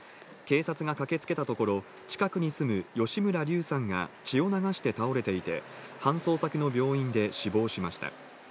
警察が駆けつけたところ、近くに住む吉村竜さんが血を流して倒れていて、搬送先の病院で死亡しました。